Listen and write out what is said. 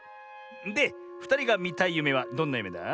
でふたりがみたいゆめはどんなゆめだ？